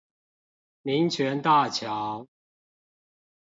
民權大橋